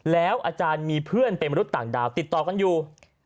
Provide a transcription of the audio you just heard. แล้วอาจารย์มีเพื่อนเป็นมนุษย์ต่างดาวติดต่อกันอยู่